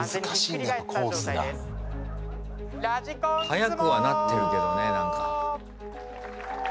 速くはなってるけどね。